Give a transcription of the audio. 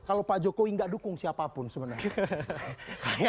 kalau pak jokowi nggak dukung siapapun sebenarnya